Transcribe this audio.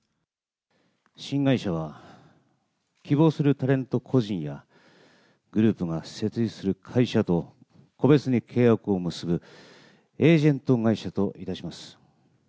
新会社は、希望するタレント個人やグループが設立する会社と個別に契約を結ぶエージェント会社といたします。